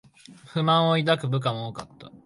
不満を抱く部下も多かった